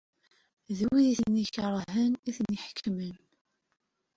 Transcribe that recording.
D wid i ten-ikeṛhen i ten-iḥekmen.